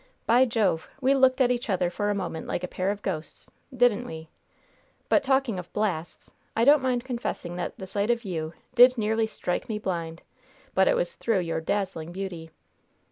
By Jove! we looked at each other for a moment like a pair of ghosts! Didn't we? But talking of 'blasts,' I don't mind confessing that the sight of you did nearly strike me blind, but it was through your dazzling beauty!